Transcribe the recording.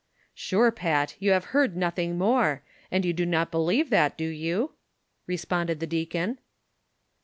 " Sure, Pat, you luive heard nothing more ; and you do not believe that, do you V" responded the deacon.